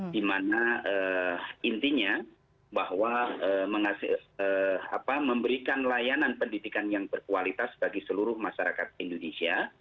di mana intinya bahwa memberikan layanan pendidikan yang berkualitas bagi seluruh masyarakat indonesia